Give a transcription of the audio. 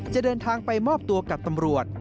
จะเดินทางไปมอบตัวกับตำรวจ